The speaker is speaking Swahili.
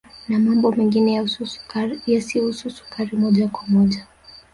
Na mambo mengine yasiyohusu sukari moja kwa moja